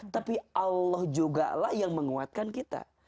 tapi allah juga lah yang menguatkan kita